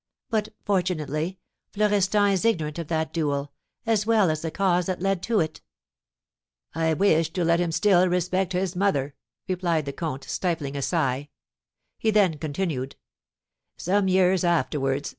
"But, fortunately, Florestan is ignorant of that duel, as well as the cause that led to it." "I wished to let him still respect his mother," replied the comte, stifling a sigh. He then continued: "Some years afterwards, M.